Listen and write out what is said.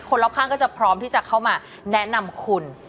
รอบข้างก็จะพร้อมที่จะเข้ามาแนะนำคุณ